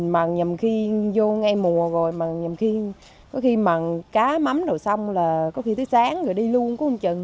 mà nhầm khi vô ngay mùa rồi mà nhầm khi có khi mặn cá mắm đồ xong là có khi tới sáng rồi đi luôn có một chừng đó